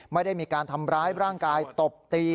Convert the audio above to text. ไม่ได้มีการทำร้ายร่างกายตบตี